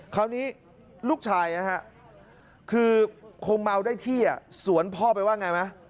คราวนี้ลูกชายครับคือโคงเมลได้ที่สวนพ่อไปว่าอย่างไรมั้ย